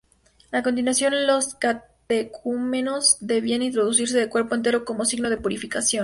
A continuación, los catecúmenos debían introducirse de cuerpo entero como signo de purificación.